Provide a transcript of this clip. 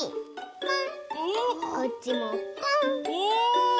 ポン！